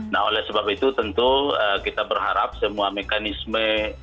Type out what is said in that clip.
nah oleh sebab itu tentu kita berharap semua mekanisme